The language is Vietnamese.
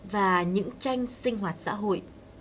và những tranh sinh hoạt xã hội